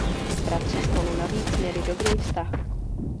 Bratři spolu navíc měli dobrý vztah.